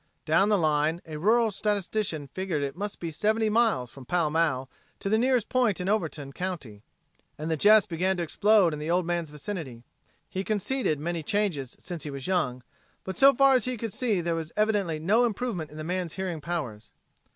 Down the line a rural statistician figured it must be seventy miles from Pall Mall to the nearest point in Overton county, and the jests began to explode in the old man's vicinity. He conceded many changes since he was young, but so far as he could see there was evidently no improvement in man's hearing powers.